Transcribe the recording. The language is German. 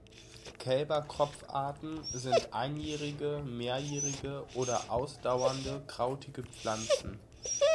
Kälberkropf-Arten sind einjährige, mehrjährige oder ausdauernde, krautige Pflanzen.